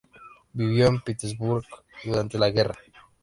Vivió en Pittsburgh durante la guerra.